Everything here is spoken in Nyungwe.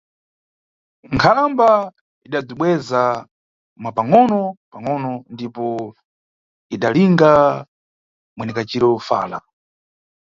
Nkhalamba idabzibweza, mwa pangʼono pangʼono, ndipo idalinga mwenekaciro fala.